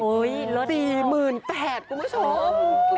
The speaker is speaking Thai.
โอ๊ยลดทีครับคุณผู้ชม๔๘๐๐๐บาท